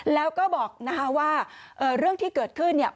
แล้วก็บอกนะคะว่าเรื่องที่เกิดขึ้นเนี่ย